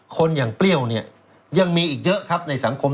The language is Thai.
คนอย่างเปรี้ยวเนี่ยยังมีอีกเยอะครับในสังคม